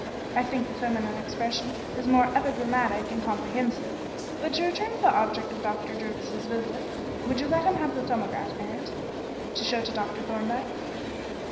"I think the feminine expression is more epigrammatic and comprehensive. But to return to the object of Dr. Jervis's visit. Would you let him have the 'Thumbograph,' aunt, to show to Dr. Thorndyke?"